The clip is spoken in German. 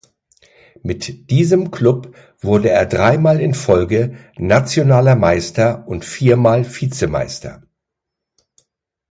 Mit diesem Klub wurde er dreimal in Folge nationaler Meister und viermal Vizemeister.